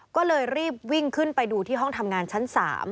ก็เลยรีบวิ่งขึ้นไปดูที่ห้องทำงานชั้น๓